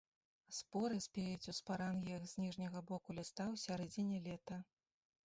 Споры спеюць ў спарангіях з ніжняга боку ліста ў сярэдзіне лета.